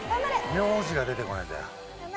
名字が出てこないんだよ。